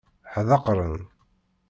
Ḥdaqren.